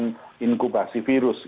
dengan inkubasi virus